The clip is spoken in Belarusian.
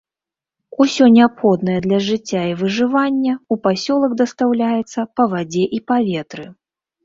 Усё неабходнае для жыцця і выжывання ў пасёлак дастаўляецца па вадзе і паветры.